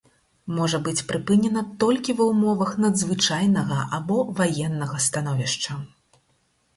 Можа быць прыпынена толькі ва ўмовах надзвычайнага або ваеннага становішча.